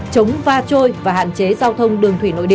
chống va trôi và hạn chế giao thông đường thủy nội địa